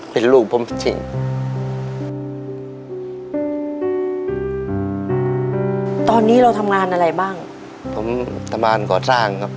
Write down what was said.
เป็นลูกผมจริง